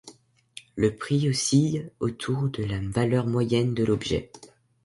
Le prix oscille autour de la valeur moyenne de l'objet.